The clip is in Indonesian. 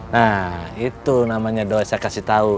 nah itu namanya doa yang saya kasih tau